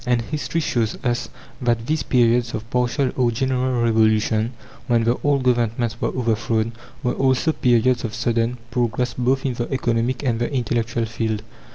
And history shows us that these periods of partial or general revolution, when the old governments were overthrown, were also periods of sudden, progress both in the economic and the intellectual field.